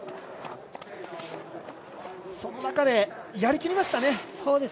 その中で、やりきりましたね。